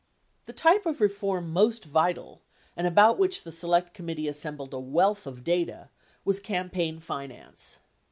The type of reform most vital, and about which the Select Commit tee assembled a wealth of data, was campaign finance.